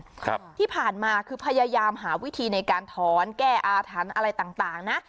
ครับที่ผ่านมาคือพยายามหาวิธีในการถอนแก้อาถรรพ์อะไรต่างต่างนะ